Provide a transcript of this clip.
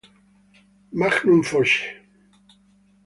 Magnum Force